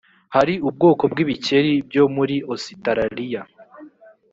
hari ubwoko bw’ibikeri byo muri ositaraliya